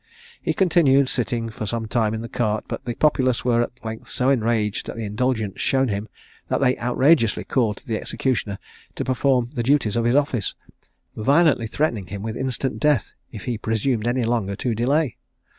He continued sitting some time in the cart; but the populace were at length so enraged at the indulgence shown him, that they outrageously called to the executioner to perform the duties of his office, violently threatening him with instant death if he presumed any longer to delay.